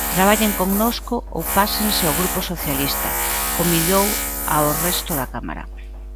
Traballen connosco ou pásense ao grupo socialista, convidou ao resto da cámara.